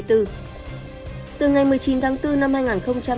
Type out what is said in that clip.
từ ngày một mươi chín tháng bốn năm hai nghìn một mươi bốn